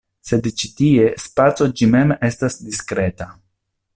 Sed ĉi tie, spaco ĝi mem estas diskreta.